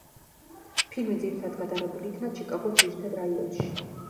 ფილმი ძირითადად გადაღებული იქნა ჩიკაგოს ძირითად რაიონში.